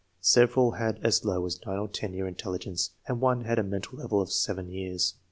Several had as low as 9 or 10 year intelligence, and one hud a mental level of 7 years.